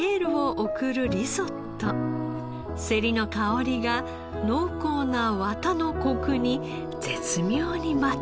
セリの香りが濃厚なワタのコクに絶妙にマッチ。